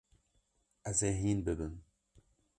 Ez ê hîn bibim.